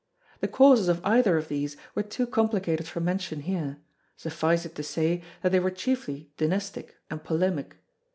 The causes of either of these were too complicated for mention here; suffice it to say that they were chiefly dynastic and polemic.